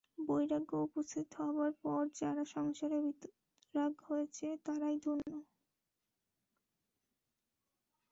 বৈরাগ্য উপস্থিত হবার পর যারা সংসারে বীতরাগ হয়েছে, তারাই ধন্য।